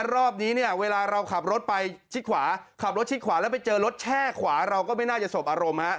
รอบนี้เนี่ยเวลาเราขับรถไปชิดขวาขับรถชิดขวาแล้วไปเจอรถแช่ขวาเราก็ไม่น่าจะสบอารมณ์